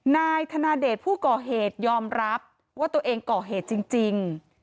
นายธนเดชผู้ก่อเหตุยอมรับว่าตัวเองก่อเหตุจริง